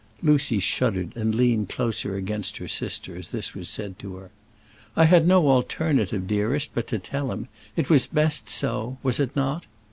Lucy shuddered and leaned closer against her sister as this was said to her. "I had no alternative, dearest, but to tell him. It was best so; was it not?